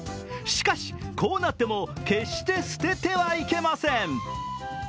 しかし、こうなっても決して捨ててはいけません。